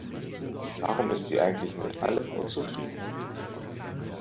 Warum ist sie eigentlich mit allem unzufrieden?